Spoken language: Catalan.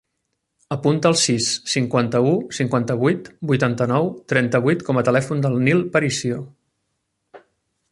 Apunta el sis, cinquanta-u, cinquanta-vuit, vuitanta-nou, trenta-vuit com a telèfon del Nil Paricio.